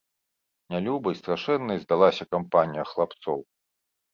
Нялюбай, страшэннай здалася кампанія хлапцоў.